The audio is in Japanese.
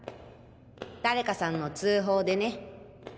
誰かさんの通報でね。